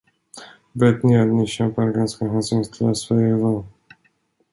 Vet ni att ni kämpar ganska hänsynslöst för Eva?